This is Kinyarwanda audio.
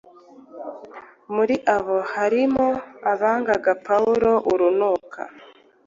Muri abo harimo abangaga Pawulo urunuka,